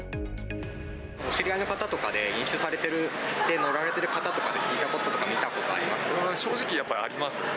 お知り合いの方とかで、飲酒されてて乗られてる方とかって、聞いたこととか、見たことあ正直、やっぱりありますよね。